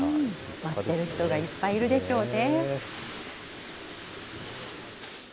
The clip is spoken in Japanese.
待ってる人がいっぱいいるでしょうね。